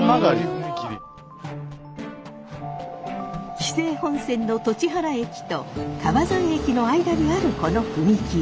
紀勢本線の栃原駅と川添駅の間にあるこの踏切。